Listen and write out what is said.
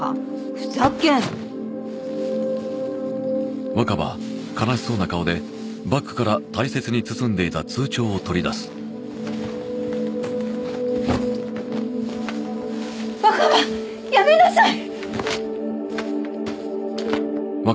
ふざけんな若葉やめなさい！